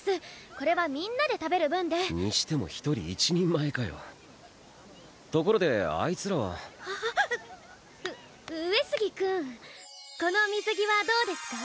これはみんなで食べる分でにしても一人１人前かよところであいつらはう上杉君この水着はどうですか？